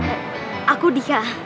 eh aku dika